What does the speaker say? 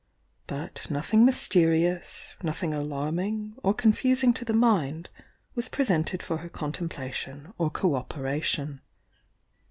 But nothing mysterious, nothing alarming or confusing to the mind was presented for her con templation or co operation.